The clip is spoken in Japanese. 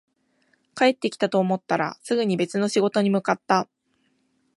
帰ってきたと思ったら、すぐに別の仕事に向かった